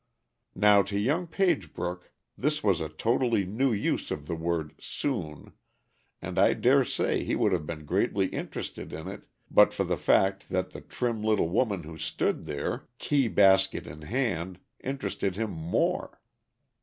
Now to young Pagebrook this was a totally new use of the word "soon," and I dare say he would have been greatly interested in it but for the fact that the trim little woman who stood there, key basket in hand, interested him more.